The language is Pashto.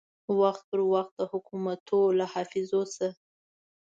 وخت پر وخت د حکومتو له حافظو سه